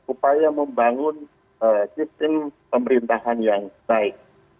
upaya membangun sistem pemerintahan yang baik